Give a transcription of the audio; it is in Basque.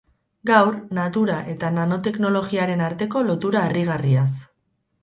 Gaur, natura eta nanoteknologiaren arteko lotura harrigarriaz.